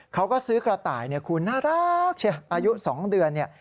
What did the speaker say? เขาก็ซื้อกระต่ายคุณน่ารักอายุ๒เดือน